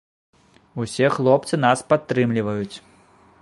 Усе хлопцы нас падтрымліваюць.